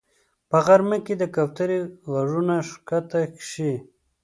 په غرمه کې د کوترې غږونه ښکته شي